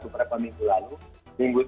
beberapa minggu lalu